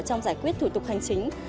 trong giải quyết thủ tục hành chính